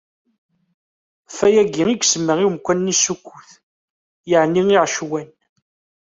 Ɣef wayagi i yesemma i umkan-nni Sukut, yeɛni iɛecwan.